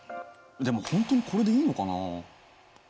でも本当にこれでいいのかな？